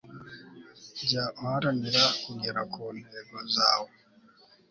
jya uharanira kugera ku ntego zawe